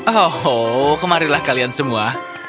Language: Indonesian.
oh kemarilah kalian semua